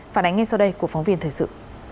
phản ánh ngay sau đây của phóng viên thời sự